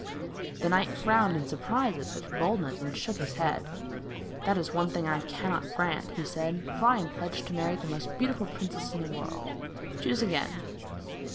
The knight frowned in surprise at such boldness, and shook his head. 'That is the one thing I cannot grant,' he said, 'for I am pledged to marry the most beautiful princess in the world. Choose again.'